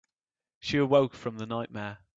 She awoke from the nightmare.